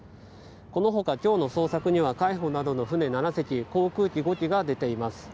このほか今日の捜索には海保などの船７隻航空機５機が出ています。